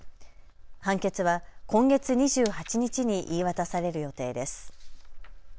判決は今月２８日に言い渡される予定です。